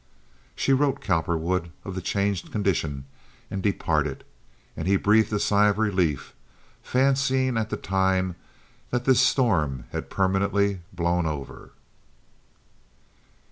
She wrote Cowperwood of the changed condition and departed, and he breathed a sigh of relief, fancying at the time that this storm had permanently blown over.